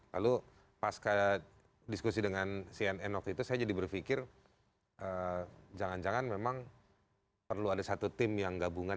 lalu pas diskusi dengan cnn waktu itu saya jadi berpikir jangan jangan memang perlu ada satu tim yang gabungan